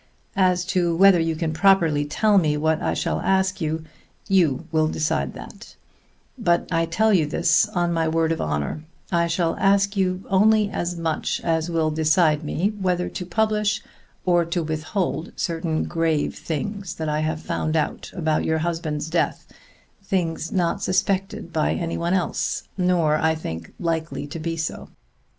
As to whether you can properly tell me what I shall ask you, you will decide that; but I tell you this on my word of honor: I shall ask you only as much as will decide me whether to publish or to withhold certain grave things that I have found out about your husband's death, things not suspected by any one else, nor, I think, likely to be so.